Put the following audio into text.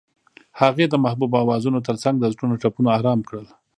هغې د محبوب اوازونو ترڅنګ د زړونو ټپونه آرام کړل.